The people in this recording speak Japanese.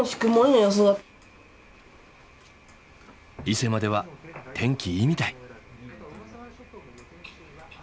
伊勢までは天気いいみたい。